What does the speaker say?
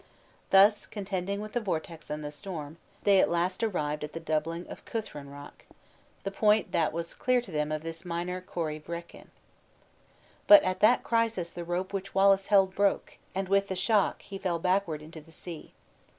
Thus, contending with the vortex and the storm, they at last arrived at the doubling of Cuthonrock, the point that was to clear them of this minor Corie Vrekin. But at that crisis the rope which Wallace held broke, and, with the shock, he fell backward into the sea.